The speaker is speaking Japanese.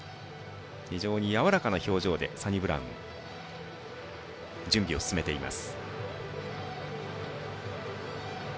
非常にやわらかな表情でサニブラウンは準備を進めています。